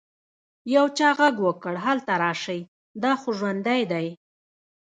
يو چا ږغ وکړ هلته راسئ دا خو ژوندى دى.